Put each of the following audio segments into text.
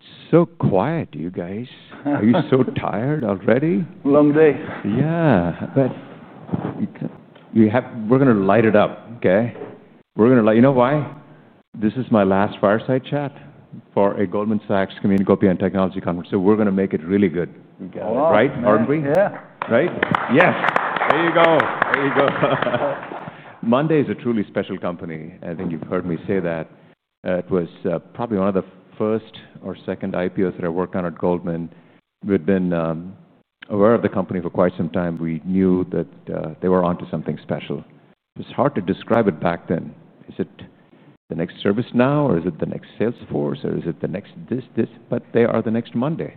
It's so quiet, you guys. Are you so tired already? Long day. Yeah. But. We're going to light it up, okay? We're going to light, you know why? This is my last Fireside Chat for a Goldman Sachs Communication and Technology Conference. We're going to make it really good together, right? Aren't we? Yeah. Right? Yes. There you go. There you go. Monday is a truly special company. I think you've heard me say that. It was probably one of the first or second IPOs that I worked on at Goldman Sachs. We'd been aware of the company for quite some time. We knew that they were onto something special. It was hard to describe it back then. Is it the next ServiceNow? Or is it the next Salesforce? Or is it the next this, this? They are the next Monday.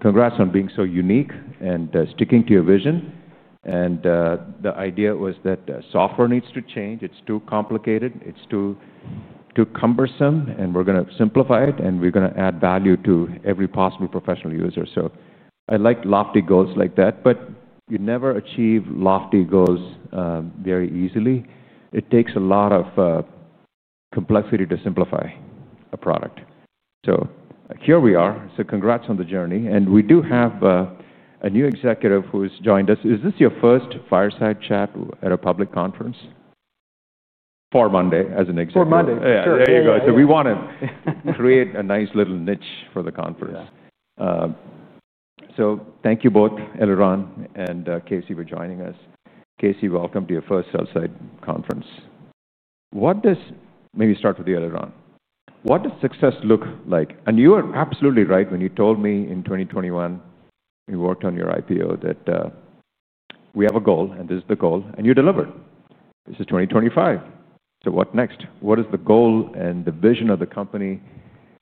Congrats on being so unique and sticking to your vision. The idea was that software needs to change. It's too complicated. It's too cumbersome. We're going to simplify it. We're going to add value to every possible professional user. I like lofty goals like that. You never achieve lofty goals very easily. It takes a lot of complexity to simplify a product. Here we are. Congrats on the journey. We do have a new executive who's joined us. Is this your first Fireside Chat at a public conference for Monday as an executive? For Monday. Yeah, there you go. We want to create a nice little niche for the conference. Thank you both, Eliran and Casey, for joining us. Casey, welcome to your first fireside conference. Maybe start with you, Eliran. What does success look like? You were absolutely right when you told me in 2021, you worked on your IPO, that we have a goal, and this is the goal. You delivered. This is 2025. What next? What is the goal and the vision of the company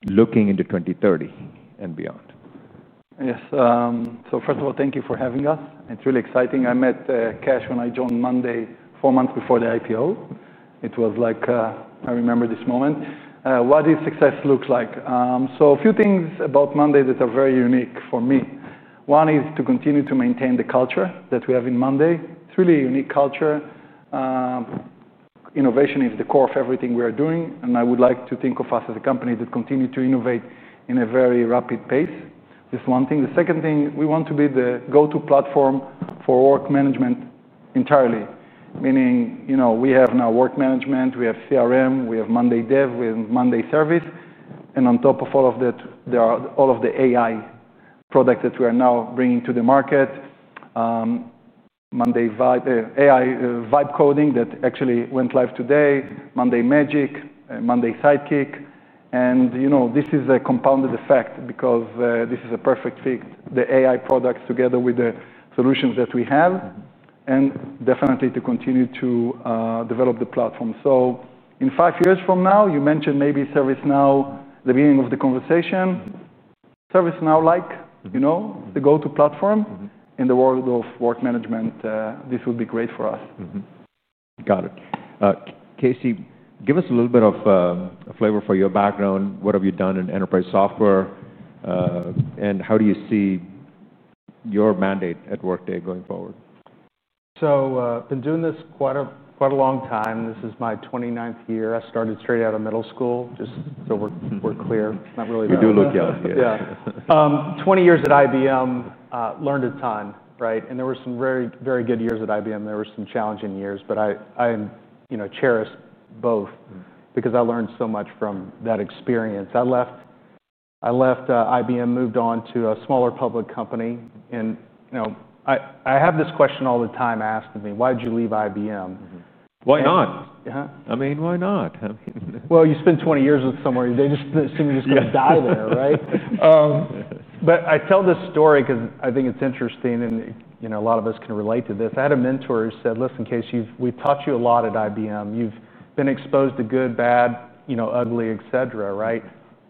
looking into 2030 and beyond? Yes. First of all, thank you for having us. It's really exciting. I met Casey when I joined monday, four months before the IPO. I remember this moment. What does success look like? A few things about monday that are very unique for me. One is to continue to maintain the culture that we have at monday. It's really a unique culture. Innovation is the core of everything we are doing. I would like to think of us as a company that continues to innovate at a very rapid pace. That's one thing. The second thing, we want to be the go-to platform for work management entirely. Meaning, you know, we have now work management. We have CRM. We have monday Dev. We have monday Service. On top of all of that, there are all of the AI products that we are now bringing to the market. monday Vibe, AI Vibe Coding that actually went live today, monday Magic, monday Sidekick. This is a compounded effect because this is a perfect fit, the AI products together with the solutions that we have. Definitely to continue to develop the platform. In five years from now, you mentioned maybe ServiceNow at the beginning of the conversation. ServiceNow, like, you know, the go-to platform in the world of work management. This would be great for us. Got it. Casey, give us a little bit of a flavor for your background. What have you done in enterprise software? How do you see your mandate at monday going forward? I've been doing this quite a long time. This is my 29th year. I started straight out of middle school, just so we're clear. We do look young, yeah. Twenty years at IBM. Learned a ton, right? There were some very, very good years at IBM. There were some challenging years. I cherish both because I learned so much from that experience. I left IBM, moved on to a smaller public company. I have this question all the time asked of me. Why did you leave IBM? Why not? Yeah, why not? You spend 20 years with somewhere. They just assume you're just going to die there, right? I tell this story because I think it's interesting. A lot of us can relate to this. I had a mentor who said, listen, Casey, we've taught you a lot at IBM. You've been exposed to good, bad, ugly, et cetera, right?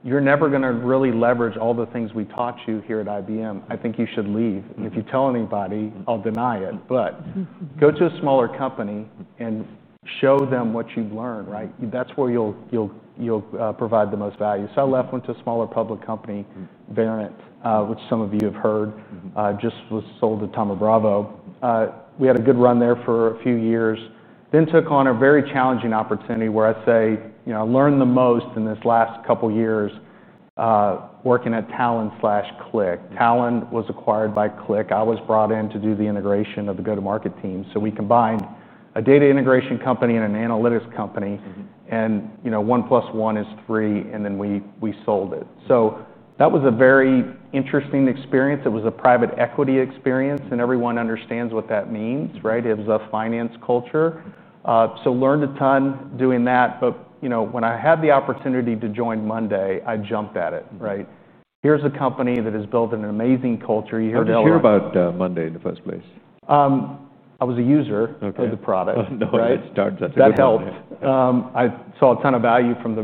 You're never going to really leverage all the things we taught you here at IBM. I think you should leave. If you tell anybody, I'll deny it. Go to a smaller company and show them what you've learned, right? That's where you'll provide the most value. I left, went to a smaller public company, Verint, which some of you have heard, just was sold to Thoma Bravo. We had a good run there for a few years. I took on a very challenging opportunity where I'd say I learned the most in this last couple of years working at Talend/Qlik. Talend was acquired by Qlik. I was brought in to do the integration of the go-to-market team. We combined a data integration company and an analytics company. One plus one is three. We sold it. That was a very interesting experience. It was a private equity experience. Everyone understands what that means, right? It was a finance culture. Learned a ton doing that. When I had the opportunity to join monday, I jumped at it, right? Here's a company that has built an amazing culture. How did you hear about monday in the first place? I was a user of the product. That helps. I saw a ton of value from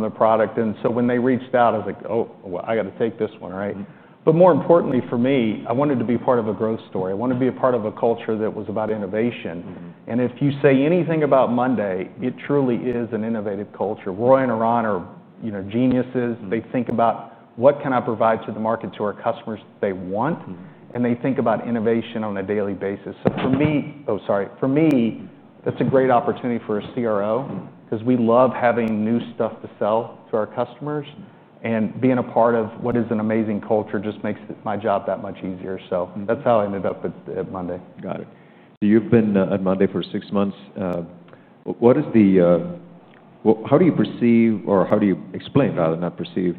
the product. When they reached out, I was like, oh, I got to take this one, right? More importantly for me, I wanted to be part of a growth story. I wanted to be a part of a culture that was about innovation. If you say anything about monday, it truly is an innovative culture. Roy and Eran are geniuses. They think about what can I provide to the market, to our customers they want. They think about innovation on a daily basis. For me, that's a great opportunity for a CRO because we love having new stuff to sell to our customers. Being a part of what is an amazing culture just makes my job that much easier. That's how I ended up at monday. Got it. You've been at monday for six months. How do you explain, rather, not perceive,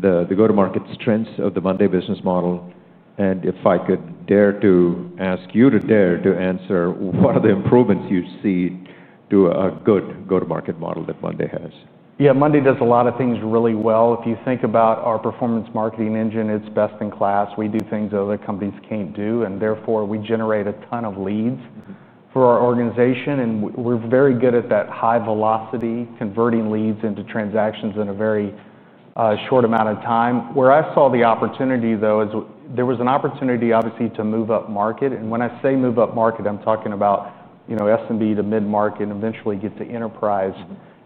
the go-to-market strengths of the monday business model? If I could dare to ask you to dare to answer, what are the improvements you see to a good go-to-market model that monday has? Yeah, monday does a lot of things really well. If you think about our performance marketing engine, it's best in class. We do things other companies can't do, and therefore, we generate a ton of leads for our organization. We're very good at that high velocity, converting leads into transactions in a very short amount of time. Where I saw the opportunity, though, is there was an opportunity, obviously, to move up market. When I say move up market, I'm talking about, you know, SMB to mid-market and eventually get to enterprise.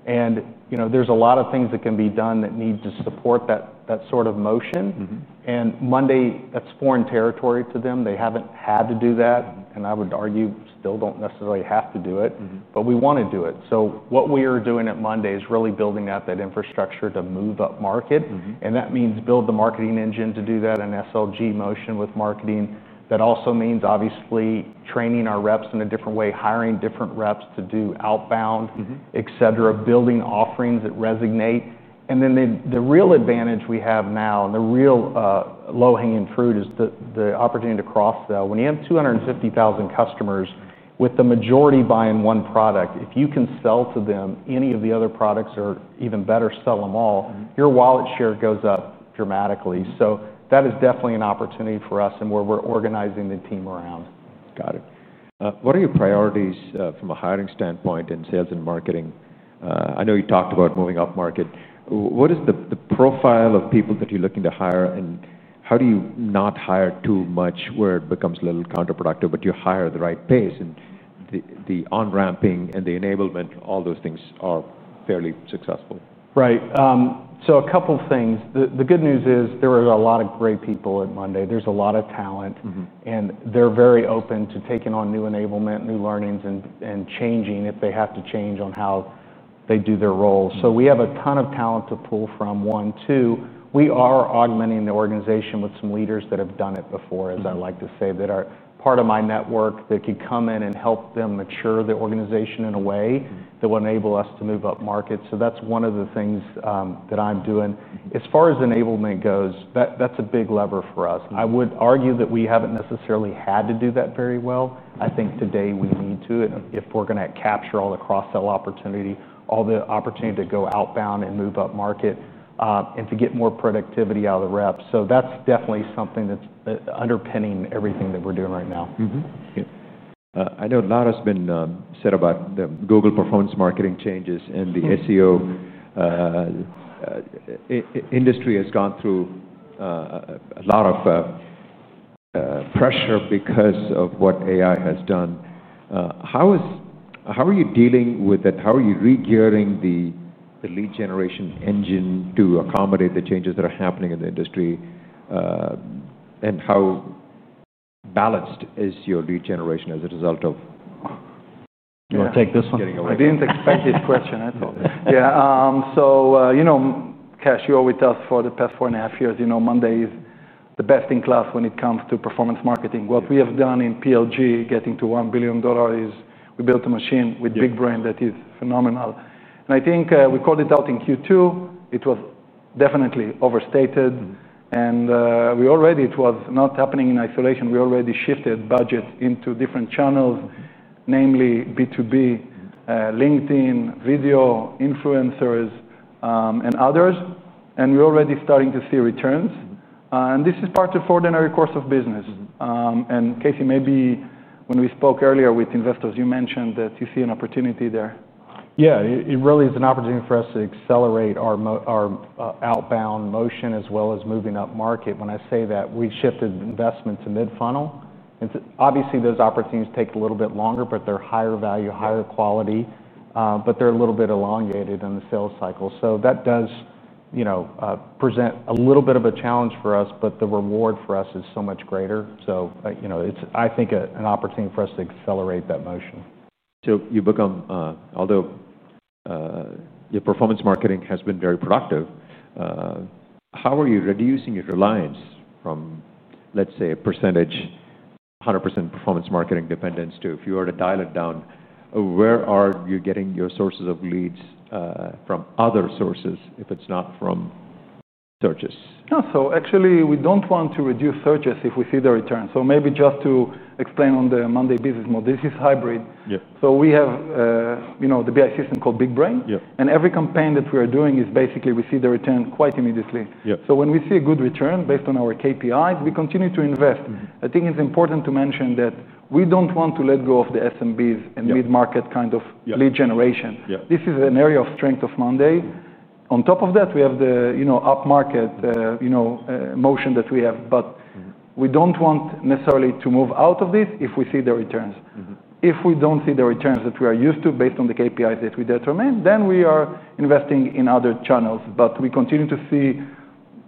There's a lot of things that can be done that need to support that sort of motion. At monday, that's foreign territory to them. They haven't had to do that, and I would argue we still don't necessarily have to do it, but we want to do it. What we are doing at monday is really building out that infrastructure to move up market. That means build the marketing engine to do that in SLG motion with marketing. That also means, obviously, training our reps in a different way, hiring different reps to do outbound, et cetera, building offerings that resonate. The real advantage we have now and the real low-hanging fruit is the opportunity to cross-sell. When you have 250,000 customers with the majority buying one product, if you can sell to them any of the other products or even better, sell them all, your wallet share goes up dramatically. That is definitely an opportunity for us and where we're organizing the team around. Got it. What are your priorities from a hiring standpoint in sales and marketing? I know you talked about moving up market. What is the profile of people that you're looking to hire? How do you not hire too much where it becomes a little counterproductive, but you hire at the right pace and the on-ramping and the enablement, all those things are fairly successful? Right. A couple of things. The good news is there are a lot of great people at monday. There's a lot of talent, and they're very open to taking on new enablement, new learnings, and changing if they have to change on how they do their roles. We have a ton of talent to pull from, one. Two, we are augmenting the organization with some leaders that have done it before, as I like to say, that are part of my network that can come in and help them mature the organization in a way that will enable us to move up market. That's one of the things that I'm doing. As far as enablement goes, that's a big lever for us. I would argue that we haven't necessarily had to do that very well. I think today we need to, if we're going to capture all the cross-sell opportunity, all the opportunity to go outbound and move up market, and to get more productivity out of the reps. That's definitely something that's underpinning everything that we're doing right now. I know a lot has been said about the Google performance marketing changes. The SEO industry has gone through a lot of pressure because of what AI has done. How are you dealing with it? How are you regearing the lead generation engine to accommodate the changes that are happening in the industry? How balanced is your lead generation as a result? I'll take this one. I didn't expect this question at all. You know, Casey, you're with us for the past four and a half years. You know, monday is the best in class when it comes to performance marketing. What we have done in PLG, getting to $1 billion, is we built a machine with BigBrain that is phenomenal. I think we called it out in Q2. It was definitely overstated. It was not happening in isolation. We already shifted budgets into different channels, namely B2B, LinkedIn, video, influencers, and others. We're already starting to see returns. This is part of the ordinary course of business. Casey, maybe, when we spoke earlier with investors, you mentioned that you see an opportunity there. Yeah, it really is an opportunity for us to accelerate our outbound motion as well as moving up market. When I say that, we shifted investments in mid-funnel. Obviously, those opportunities take a little bit longer, but they're higher value, higher quality. They're a little bit elongated in the sales cycle. That does present a little bit of a challenge for us. The reward for us is so much greater. I think it's an opportunity for us to accelerate that motion. Your performance marketing has been very productive. How are you reducing your reliance from, let's say, a percentage, 100% performance marketing dependence to, if you were to dial it down, where are you getting your sources of leads from other sources if it's not from searches? Actually, we don't want to reduce searches if we see the return. Maybe just to explain on the monday business model, this is hybrid. We have the BI system called BigBrain, and every campaign that we are doing, we see the return quite immediately. When we see a good return based on our KPIs, we continue to invest. I think it's important to mention that we don't want to let go of the SMBs and mid-market kind of lead generation. This is an area of strength of monday. On top of that, we have the up market motion that we have. We don't want necessarily to move out of this if we see the returns. If we don't see the returns that we are used to based on the KPIs that we determine, then we are investing in other channels. We continue to see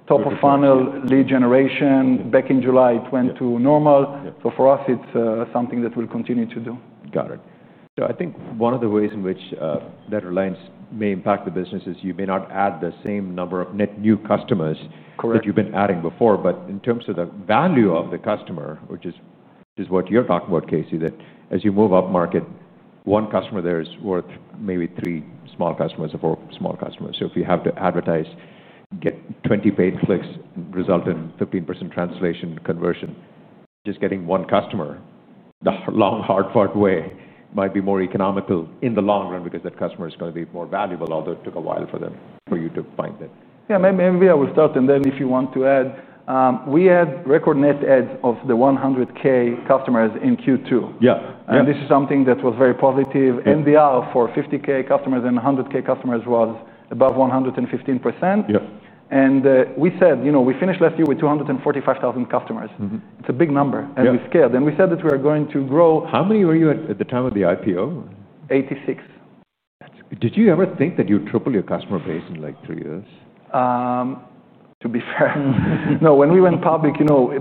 top of funnel lead generation. Back in July, it went to normal. For us, it's something that we'll continue to do. Got it. I think one of the ways in which that reliance may impact the business is you may not add the same number of net new customers that you've been adding before. In terms of the value of the customer, which is what you're talking about, Casey, as you move up market, one customer there is worth maybe three small customers or four small customers. If you have to advertise, get 20 paid clicks, result in 15% translation conversion, just getting one customer the long, hard-fought way might be more economical in the long run because that customer is going to be more valuable, although it took a while for you to find them. Yeah, maybe I will start. If you want to add, we had record net adds of the 100K customers in Q2. This is something that was very positive. NDR for 50K customers and 100K customers was above 115%. We said, you know, we finished last year with 245,000 customers. It's a big number. We were scared, and we said that we are going to grow. How many were you at the time of the IPO? 86. Did you ever think that you would triple your customer base in like three years? To be fair, no. When we went public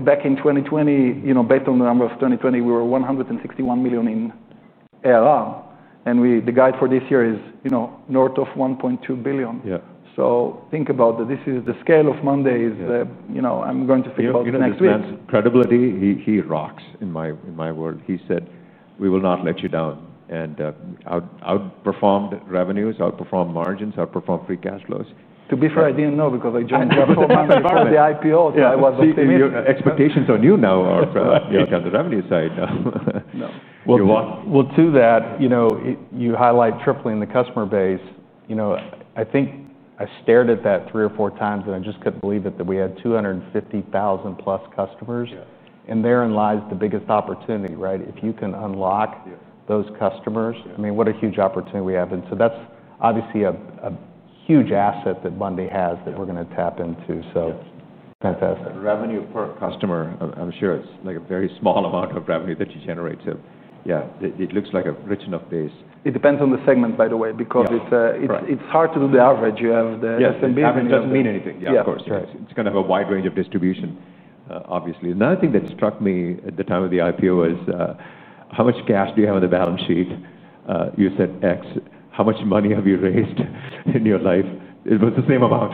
back in 2020, based on the numbers of 2020, we were at $161 million in ARR. The guide for this year is north of $1.2 billion. Think about that. This is the scale of monday. I'm going to think about it next week. Credibility, he rocks in my world. He said, we will not let you down, and outperformed revenues, outperformed margins, outperformed free cash flows. To be fair, I didn't know because I joined the company before the IPO. I mean, your expectations on you now are from the account and revenue side now. You highlight tripling the customer base. I think I stared at that three or four times. I just couldn't believe it that we had 250,000 plus customers. Therein lies the biggest opportunity, right? If you can unlock those customers, I mean, what a huge opportunity we have. That's obviously a huge asset that monday has that we're going to tap into. Fantastic. Revenue per customer, I'm sure it's like a very small amount of revenue that you generate. It looks like a rich enough base. It depends on the segment, by the way, because it's hard to do the average. You have the SMB segment. It doesn't mean anything. Yeah, of course. It's going to have a wide range of distribution, obviously. Another thing that struck me at the time of the IPO was how much cash do you have on the balance sheet? You said X. How much money have you raised in your life? It was the same amount.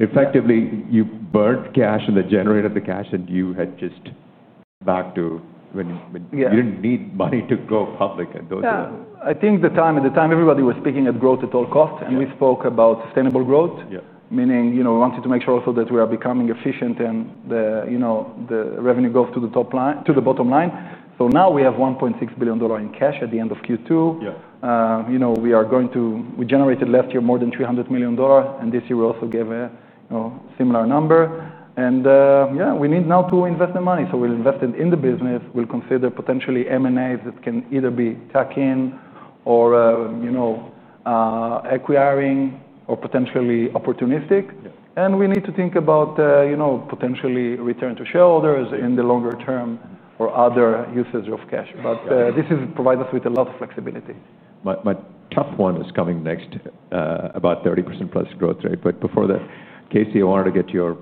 Effectively, you burnt cash and then generated the cash. You had just back to when you didn't need money to go public. I think at the time everybody was speaking at growth at all costs. We spoke about sustainable growth, meaning, you know, we wanted to make sure also that we are becoming efficient and the, you know, the revenue goes to the top line, to the bottom line. Now we have $1.6 billion in cash at the end of Q2. You know, we are going to, we generated last year more than $300 million, and this year we also gave a, you know, similar number. Yeah, we need now to invest the money. We'll invest it in the business. We'll consider potentially M&As that can either be tack in or, you know, acquiring or potentially opportunistic. We need to think about, you know, potentially return to shareholders in the longer term or other uses of cash. This provides us with a lot of flexibility. My tough one is coming next, about 30%+ growth rate. Before that, Casey, I wanted to get your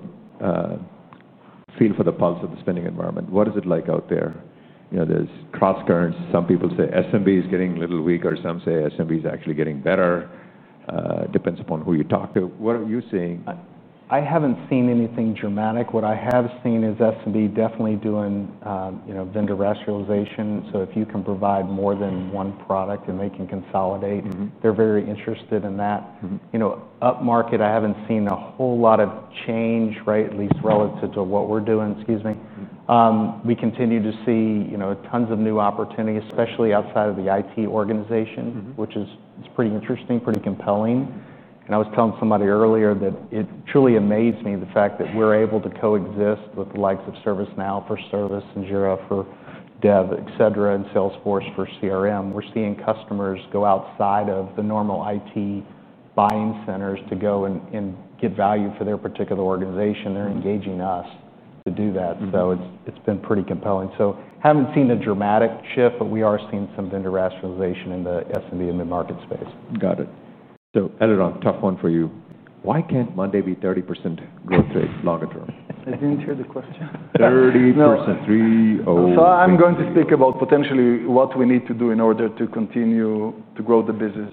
feel for the pulse of the spending environment. What is it like out there? You know, there's cross currency. Some people say SMB is getting a little weaker. Some say SMB is actually getting better. Depends upon who you talk to. What are you seeing? I haven't seen anything dramatic. What I have seen is SMB definitely doing vendor rationalization. If you can provide more than one product and they can consolidate, they're very interested in that. Up market, I haven't seen a whole lot of change, at least relative to what we're doing. Excuse me. We continue to see tons of new opportunities, especially outside of the IT organization, which is pretty interesting, pretty compelling. I was telling somebody earlier that it truly amazed me the fact that we're able to coexist with the likes of ServiceNow for Service and Jira for Dev, and Salesforce for CRM. We're seeing customers go outside of the normal IT buying centers to go and get value for their particular organization. They're engaging us to do that. It's been pretty compelling. I haven't seen a dramatic shift, but we are seeing some vendor rationalization in the SMB and mid-market space. Got it. Eliran, tough one for you. Why can't monday be 30% growth rate longer term? I didn't hear the question. 30%. Three, oh. I'm going to speak about potentially what we need to do in order to continue to grow the business.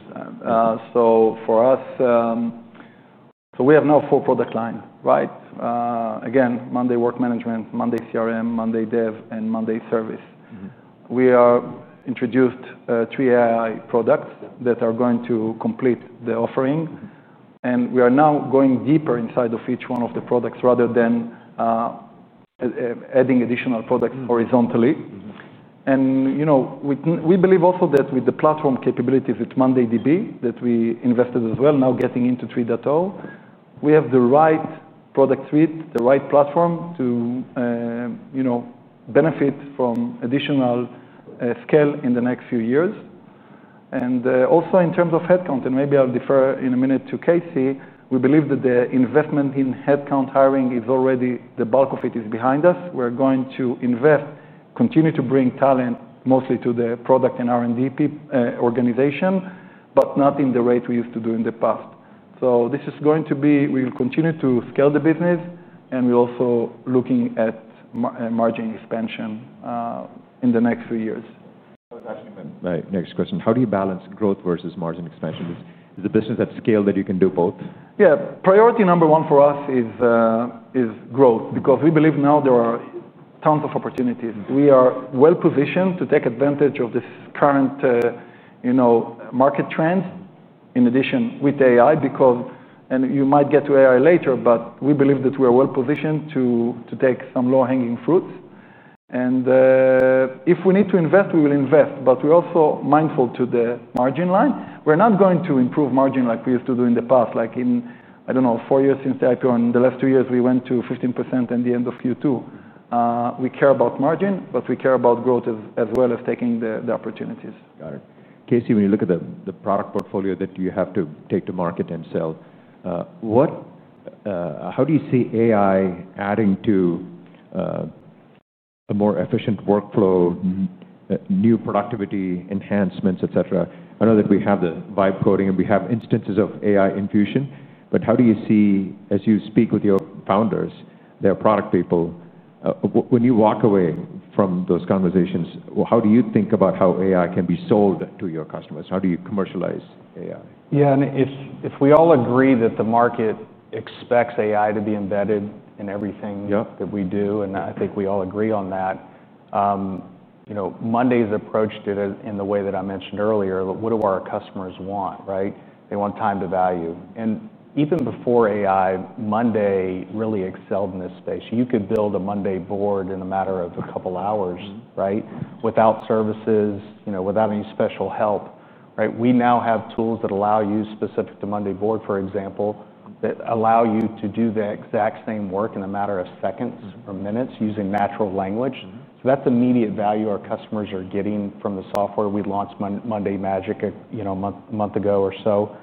For us, we have now a full product line, right? Again, monday work management, monday CRM, mondayDev, and monday Service. We have introduced three AI products that are going to complete the offering. We are now going deeper inside each one of the products rather than adding additional products horizontally. We believe also that with the platform capabilities at mondayDB that we invested as well, now getting into 3.0, we have the right product suite, the right platform to benefit from additional scale in the next few years. In terms of headcount, and maybe I'll defer in a minute to Casey, we believe that the investment in headcount hiring is already, the bulk of it is behind us. We're going to invest, continue to bring talent mostly to the product and R&D organization, but not at the rate we used to do in the past. We will continue to scale the business. We're also looking at margin expansion in the next few years. That was actually my next question. How do you balance growth versus margin expansion? Is the business at scale that you can do both? Yeah, priority number one for us is growth because we believe now there are tons of opportunities. We are well positioned to take advantage of this current market trend in addition with AI because, and you might get to AI later, but we believe that we are well positioned to take some low-hanging fruits. If we need to invest, we will invest. We're also mindful to the margin line. We're not going to improve margin like we used to do in the past. Like in, I don't know, four years since the IPO, in the last two years, we went to 15% in the end of Q2. We care about margin, but we care about growth as well as taking the opportunities. Got it. Casey, when you look at the product portfolio that you have to take to market and sell, how do you see AI adding to a more efficient workflow, new productivity enhancements, etc.? I know that we have the Vibe Coding and we have instances of AI infusion. How do you see, as you speak with your founders, their product people, when you walk away from those conversations, how do you think about how AI can be sold to your customers? How do you commercialize AI? Yeah, and if we all agree that the market expects AI to be embedded in everything that we do, and I think we all agree on that, you know, monday's approach to it in the way that I mentioned earlier, what do our customers want, right? They want time to value. Even before AI, monday really excelled in this space. You could build a monday board in a matter of a couple of hours, right, without services, without any special help, right? We now have tools that allow you, specific to monday board, for example, that allow you to do the exact same work in a matter of seconds or minutes using natural language. That's immediate value our customers are getting from the software. We launched monday Magic, you know, a month ago or so.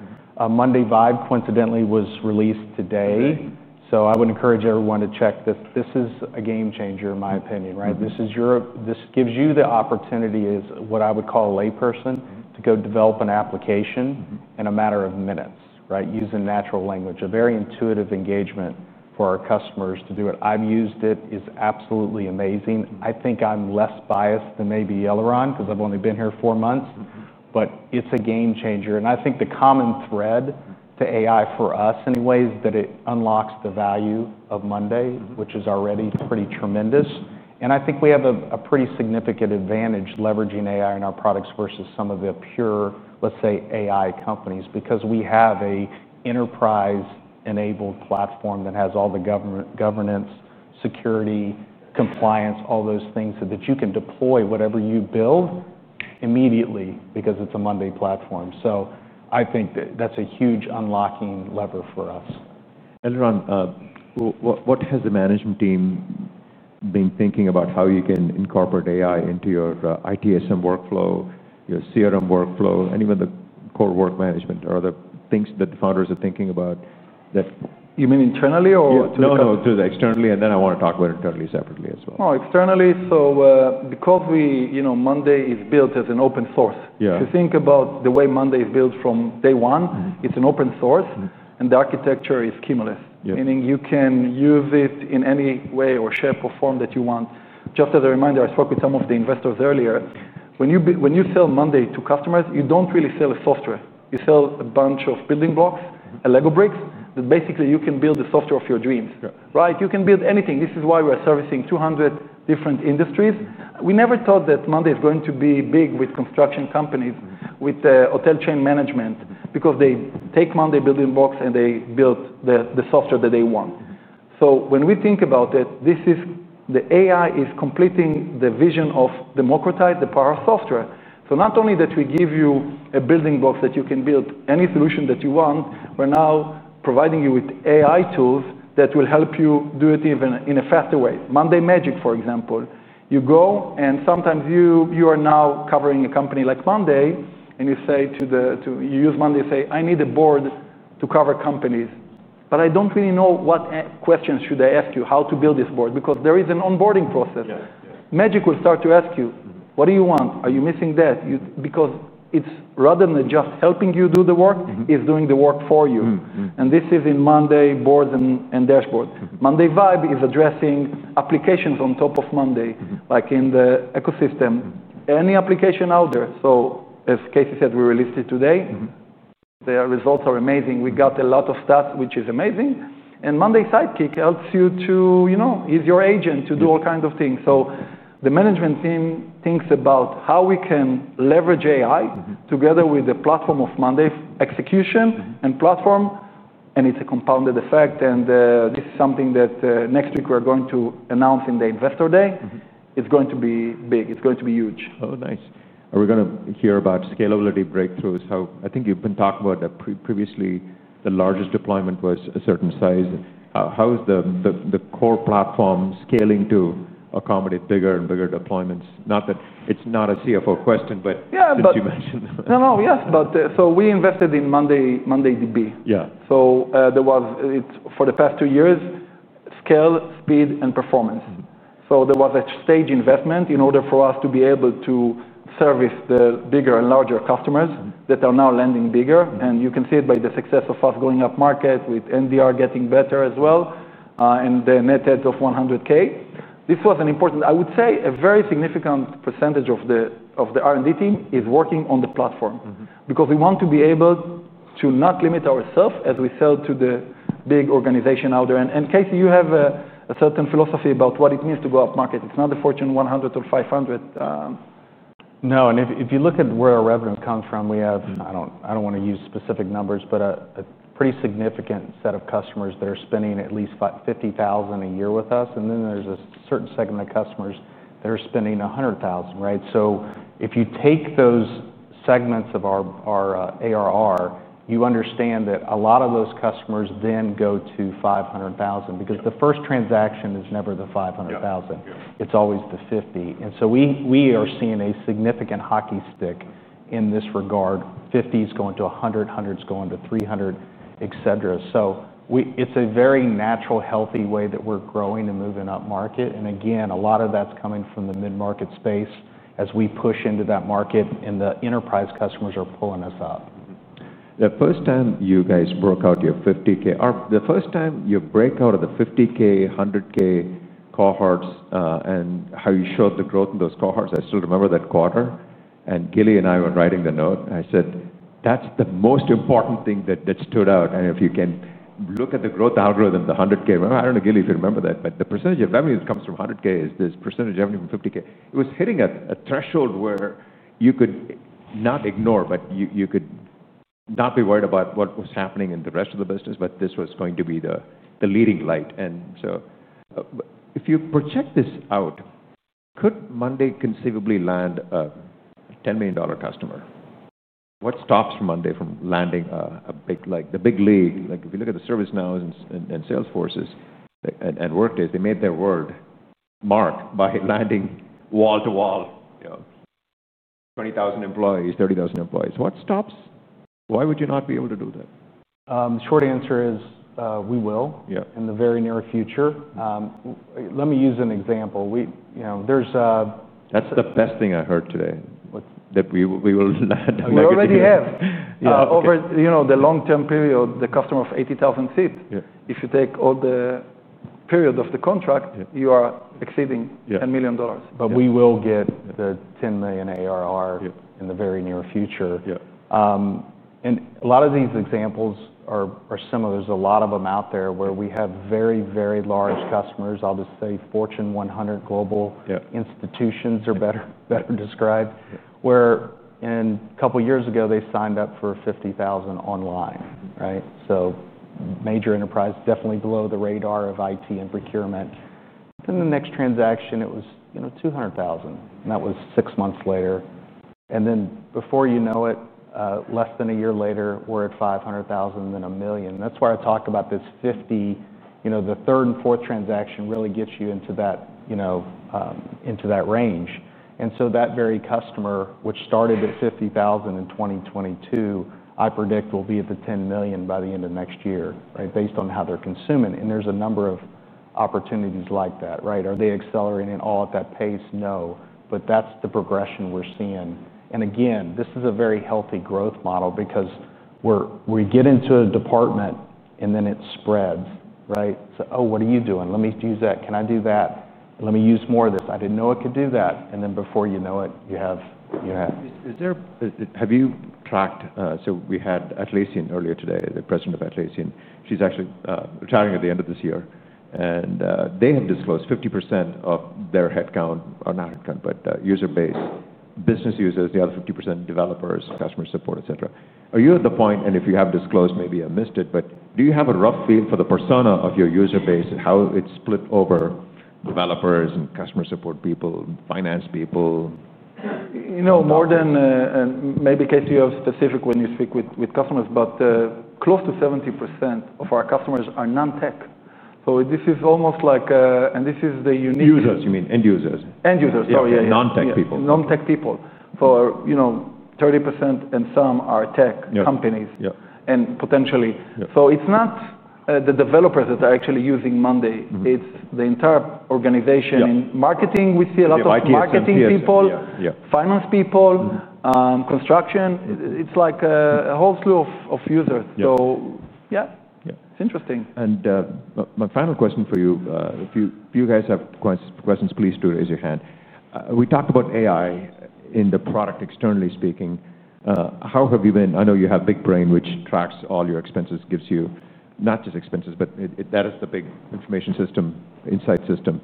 Monday Vibe, coincidentally, was released today. I would encourage everyone to check. This is a game changer, in my opinion, right? This gives you the opportunity, as what I would call a layperson, to go develop an application in a matter of minutes, right, using natural language, a very intuitive engagement for our customers to do it. I've used it. It's absolutely amazing. I think I'm less biased than maybe Eliran because I've only been here four months. It's a game changer. I think the common thread to AI for us anyway is that it unlocks the value of monday, which is already pretty tremendous. I think we have a pretty significant advantage leveraging AI in our products versus some of the pure, let's say, AI companies because we have an enterprise-enabled platform that has all the governance, security, compliance, all those things so that you can deploy whatever you build immediately because it's a monday platform. I think that's a huge unlocking lever for us. Eliran, what has the management team been thinking about how you can incorporate AI into your ITSM workflow, your CRM workflow, any of the core work management, or other things that the founders are thinking about? You mean internally or? No, no, to the externally. I want to talk about internally separately as well. Oh, externally. Because we, you know, monday is built as an open source. If you think about the way monday is built from day one, it's an open source. The architecture is schemaless, meaning you can use it in any way or shape or form that you want. Just as a reminder, I spoke with some of the investors earlier. When you sell monday to customers, you don't really sell a software. You sell a bunch of building blocks and Lego bricks that basically you can build the software of your dreams, right? You can build anything. This is why we are servicing 200 different industries. We never thought that monday is going to be big with construction companies, with hotel chain management because they take monday building blocks and they build the software that they want. When we think about it, this is the AI is completing the vision of democratize the power of software. Not only that we give you a building box that you can build any solution that you want, we're now providing you with AI tools that will help you do it even in a faster way. Monday Magic, for example, you go and sometimes you are now covering a company like monday and you say to the, you use monday to say, I need a board to cover companies. I don't really know what questions should I ask you, how to build this board because there is an onboarding process. Magic will start to ask you, what do you want? Are you missing that? Because it's rather than just helping you do the work, it's doing the work for you. This is in monday boards and dashboards. Monday Vibe is addressing applications on top of monday, like in the ecosystem, any application out there. As Casey said, we released it today. The results are amazing. We got a lot of stats, which is amazing. Monday Sidekick helps you to, you know, is your agent to do all kinds of things. The management team thinks about how we can leverage AI together with the platform of monday's execution and platform. It's a compounded effect. This is something that next week we're going to announce in the Investor Day. It's going to be big. It's going to be huge. Oh, nice. Are we going to hear about scalability breakthroughs? I think you've been talking about that previously. The largest deployment was a certain size. How is the core platform scaling to accommodate bigger and bigger deployments? Not that it's not a CFO question, but as you mentioned. No, no, yes. We invested in mondayDB. For the past two years, scale, speed, and performance. There was a staged investment in order for us to be able to service the bigger and larger customers that are now landing bigger. You can see it by the success of us going up market with NDR getting better as well and the net heads of $100K. This was an important, I would say, a very significant percentage of the R&D team is working on the platform because we want to be able to not limit ourselves as we sell to the big organization out there. Casey, you have a certain philosophy about what it means to go up market. It's not the Fortune 100 or 500. No. If you look at where our revenue comes from, we have, I don't want to use specific numbers, but a pretty significant set of customers that are spending at least $50,000 a year with us. There's a certain segment of customers that are spending $100,000. If you take those segments of our ARR, you understand that a lot of those customers then go to $500,000 because the first transaction is never the $500,000. It's always the $50,000. We are seeing a significant hockey stick in this regard. $50,000 is going to $100,000. $100,000 is going to $300,000, etc. It's a very natural, healthy way that we're growing and moving up market. A lot of that's coming from the mid-market space as we push into that market and the enterprise customers are pulling us up. The first time you guys broke out your $50,000, or the first time you break out of the $50,000, $100,000 cohorts and how you showed the growth in those cohorts, I still remember that quarter. Gilli and I were writing the note. I said that's the most important thing that stood out. If you can look at the growth algorithm, the $100,000, I don't know, Gilli, if you remember that, but the percentage of revenue that comes from $100,000 is this percentage of revenue from $50,000. It was hitting a threshold where you could not ignore, but you could not be worried about what was happening in the rest of the business. This was going to be the leading light. If you project this out, could monday conceivably land a $10 million customer? What stops monday from landing a big, like the big league? If you look at ServiceNow and Salesforce and Workday, they made their word mark by landing wall to wall, you know, 20,000 employees, 30,000 employees. What stops? Why would you not be able to do that? Short answer is we will in the very near future. Let me use an example. You know, there's. That's the best thing I heard today. We already have. Yeah, over, you know, the long-term period, the customer of 80,000 seats. If you take all the period of the contract, you are exceeding $10 million. We will get to the $10 million ARR in the very near future. A lot of these examples are similar. There are a lot of them out there where we have very, very large customers. I'll just say Fortune 100 global institutions are better described. A couple of years ago, they signed up for $50,000 online, right? Major enterprise, definitely below the radar of IT and procurement. The next transaction, it was $200,000. That was six months later. Before you know it, less than a year later, we're at $500,000, then $1 million. That's why I talk about this $50,000, the third and fourth transaction really gets you into that range. That very customer, which started at $50,000 in 2022, I predict will be at the $10 million by the end of next year, right, based on how they're consuming. There are a number of opportunities like that. Are they accelerating at all at that pace? No. That's the progression we're seeing. This is a very healthy growth model because we get into a department and then it spreads, right? Oh, what are you doing? Let me use that. Can I do that? Let me use more of this. I didn't know it could do that. Before you know it, you have, you know. Have you tracked? We had Atlassian earlier today, the President of Atlassian. She's actually retiring at the end of this year. They had disclosed 50% of their user base, business users, the other 50% developers, customer support, et cetera. Are you at the point, and if you have disclosed, maybe I missed it, but do you have a rough feel for the persona of your user base, how it's split over developers and customer support people, finance people? You know, more than, and maybe Casey, you have specific when you speak with customers, but close to 70% of our customers are non-tech. This is almost like, and this is the unique. Users, you mean end users? End users, sorry. Non-tech people. Non-tech people. You know, 30% and some are tech companies and potentially. It's not the developers that are actually using monday. It's the entire organization. In marketing, we see a lot of marketing people, finance people, construction. It's like a whole slew of users. It's interesting. My final question for you, if you guys have questions, please do raise your hand. We talked about AI in the product, externally speaking. How have you been? I know you have BigBrain, which tracks all your expenses, gives you not just expenses, but that is the big information system, insight system.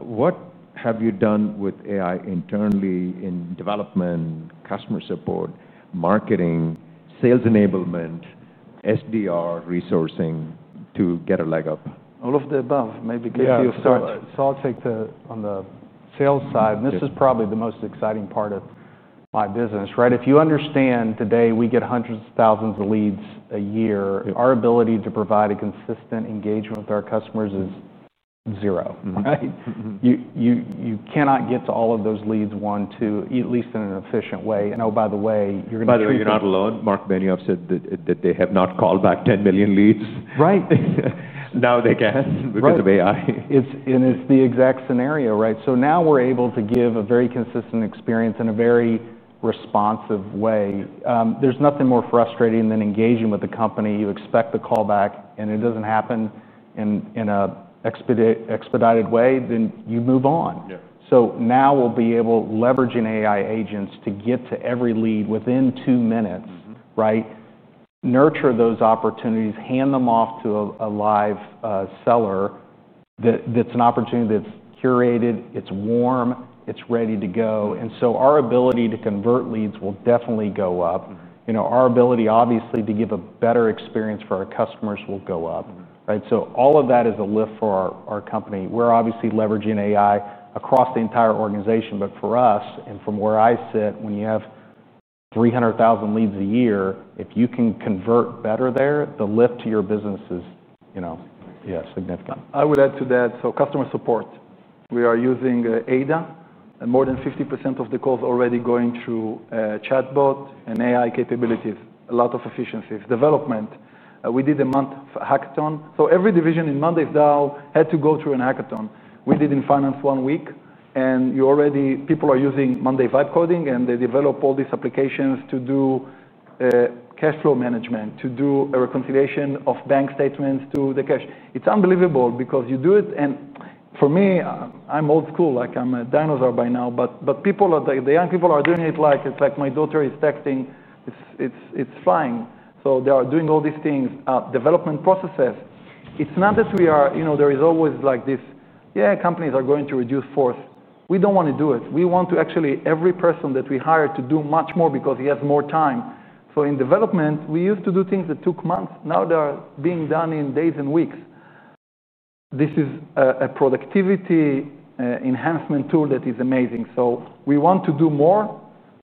What have you done with AI internally in development, customer support, marketing, sales enablement, SDR resourcing to get a leg up? All of the above, maybe Casey. I'll take the on the sales side. This is probably the most exciting part of my business, right? If you understand today, we get hundreds of thousands of leads a year. Our ability to provide a consistent engagement with our customers is zero, right? You cannot get to all of those leads, one, two, at least in an efficient way. Oh, by the way, you're going to. By the way, you're not alone. Marc Benioff said that they have not called back 10 million leads. Right. Now they can because of AI. It's the exact scenario, right? Now we're able to give a very consistent experience in a very responsive way. There's nothing more frustrating than engaging with a company. You expect the callback, and it doesn't happen in an expedited way, you move on. Now we'll be able to leverage AI agents to get to every lead within two minutes, right? Nurture those opportunities, hand them off to a live seller. That's an opportunity that's curated. It's warm. It's ready to go. Our ability to convert leads will definitely go up. Our ability, obviously, to give a better experience for our customers will go up, right? All of that is a lift for our company. We're obviously leveraging AI across the entire organization. For us, and from where I sit, when you have 300,000 leads a year, if you can convert better there, the lift to your business is, you know, yeah, significant. I would add to that. Customer support, we are using AI. More than 50% of the calls are already going through a chatbot and AI capabilities. A lot of efficiencies. Development, we did a month hackathon. Every division in monday's DAO had to go through a hackathon. We did in finance one week. People are using monday Vibe Coding, and they develop all these applications to do cash flow management, to do a reconciliation of bank statements to the cash. It's unbelievable because you do it. For me, I'm old school. Like I'm a dinosaur by now. People, the young people, are doing it like my daughter is texting. It's flying. They are doing all these things. Development processes, it's not that we are, you know, there is always like this, yeah, companies are going to reduce force. We don't want to do it. We want to actually, every person that we hire to do much more because he has more time. In development, we used to do things that took months. Now they're being done in days and weeks. This is a productivity enhancement tool that is amazing. We want to do more,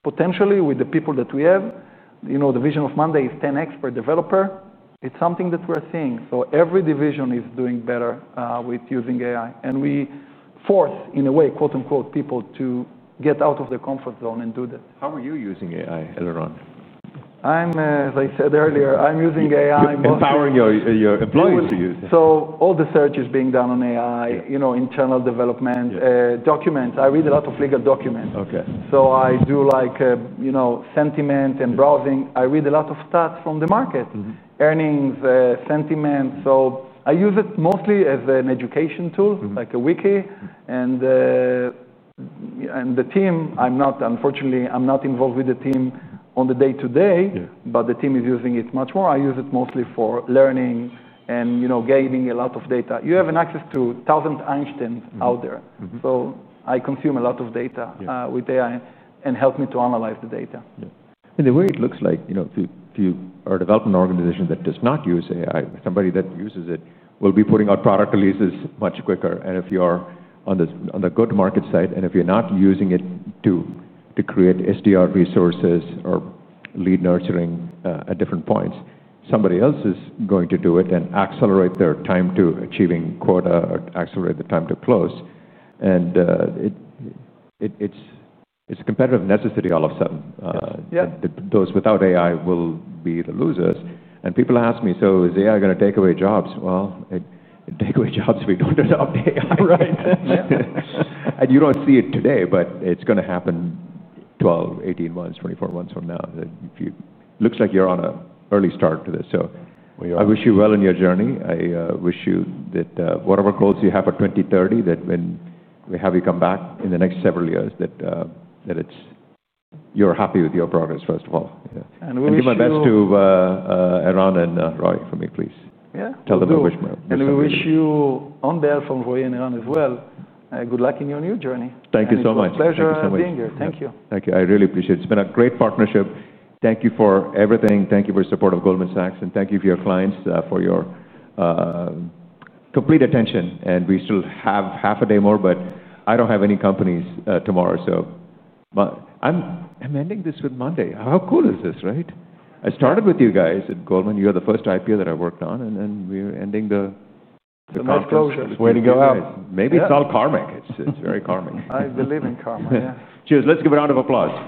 potentially, with the people that we have. The vision of monday is 10 experts developers. It's something that we're seeing. Every division is doing better with using AI. We force, in a way, quote unquote, people to get out of their comfort zone and do that. How are you using AI, Eliran? As I said earlier, I'm using AI. Empowering your employees to use it. All the search is being done on AI, internal development, documents. I read a lot of legal documents. I do sentiment and browsing. I read a lot of stats from the market, earnings, sentiment. I use it mostly as an education tool, like a wiki. Unfortunately, I'm not involved with the team on the day-to-day, but the team is using it much more. I use it mostly for learning and gaining a lot of data. You have access to a thousand Einsteins out there. I consume a lot of data with AI and it helps me to analyze the data. The way it looks like, you know, to our development organization that does not use AI, somebody that uses it will be putting out product releases much quicker. If you are on the go-to-market side, and if you're not using it to create SDR resources or lead nurturing at different points, somebody else is going to do it and accelerate their time to achieving quota, accelerate the time to close. It's a competitive necessity all of a sudden. Those without AI will be the losers. People ask me, is AI going to take away jobs? It takes away jobs if we don't adopt AI, right? You don't see it today, but it's going to happen 12, 18 months, 24 months from now. It looks like you're on an early start to this. I wish you well in your journey. I wish you that whatever goals you have for 2030, that when we have you come back in the next several years, you're happy with your progress, first of all. Do my best to Eliran and Roy for me, please. Yeah, tell them to wish. We wish you on there from Roy and Eliran as well. Good luck in your new journey. Thank you so much. Pleasure. Thank you. Thank you. I really appreciate it. It's been a great partnership. Thank you for everything. Thank you for your support of Goldman Sachs. Thank you to your clients for your complete attention. We still have half a day more, but I don't have any companies tomorrow. I'm ending this with monday. How cool is this, right? I started with you guys at Goldman. You're the first IPO that I worked on. I'm ending the. The closure. It's the way to go out. Maybe it's all karmic. It's very karmic. I believe in karma. Cheers. Let's give it a round of applause.